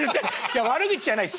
いや悪口じゃない。